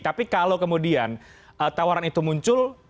tapi kalau kemudian tawaran itu muncul